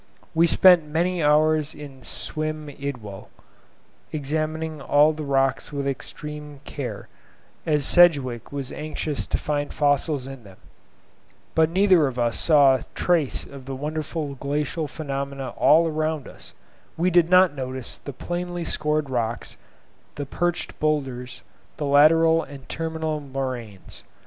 We spent many hours in Cwm Idwal, examining all the rocks with extreme care, as Sedgwick was anxious to find fossils in them; but neither of us saw a trace of the wonderful glacial phenomena all around us; we did not notice the plainly scored rocks, the perched boulders, the lateral and terminal moraines.